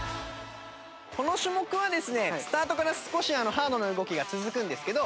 この種目はですねスタートから少しハードな動きが続くんですけど。